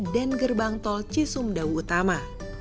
dan gerbang tol cisumdawu utama